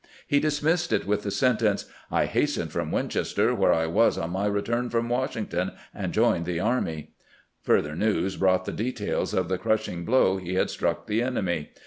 He dismissed it with the sentence :" I hastened from Winchester, where I was on my return from Washington, and joined the army. ..." Further news brought the details of the crushing blow he had struck the enemy.